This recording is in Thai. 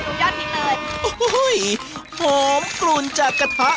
กูรวมผัดพริกขี้หนูครับเมนูยอดนี้เลยโอ้โหหอมกลุ่นจากกระทะ